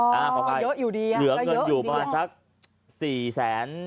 อ๋อเยอะอยู่ดีอ่ะเยอะอยู่ดีหรือเงินอยู่ประมาณสักสี่แสน